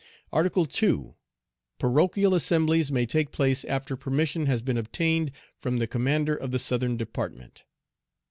"Article 2. Parochial assemblies may take place after permission has been obtained from the commander of the Southern Department.